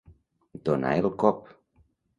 Donar el cop.